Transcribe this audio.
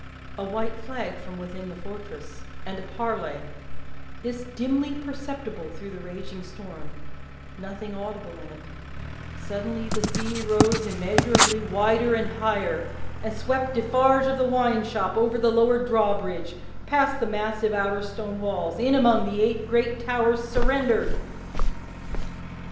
A white flag from within the fortress, and a parley this dimly perceptible through the raging storm, nothing audible in it suddenly the sea rose immeasurably wider and higher, and swept Defarge of the wine shop over the lowered drawbridge, past the massive stone outer walls, in among the eight great towers surrendered!